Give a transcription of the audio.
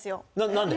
何で？